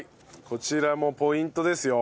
こちらもポイントですよ。